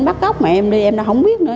bắt góc mẹ em đi em đâu không biết nữa